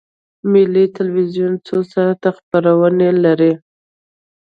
ملي تلویزیون څو ساعته خپرونې لري؟